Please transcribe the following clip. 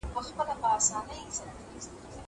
زه پرون کښېناستل کوم!!